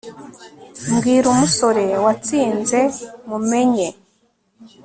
mbwira, umusore watsinze mumenye